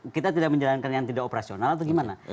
kita tidak menjalankan yang tidak operasional atau gimana